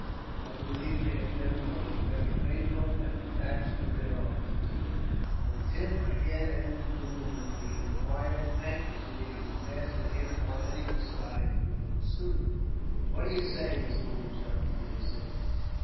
I believe they are generally very faithful, and attached to their officers." When Tim again entered the room, he inquired anxiously if his master hit upon any disguise which would suit him. "What do you say, Mr. Moonshine?" Tim said.